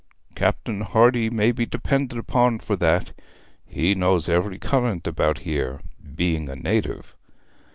Captain Hardy may be depended upon for that; he knows every current about here, being a native.'